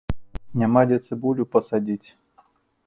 Няма дзе і цыбулю пасадзіць.